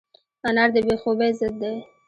انار د بې خوبۍ ضد دی.